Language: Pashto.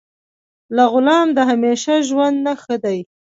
له غلام د همیشه ژوند نه ښه دی.